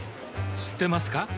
知ってますか？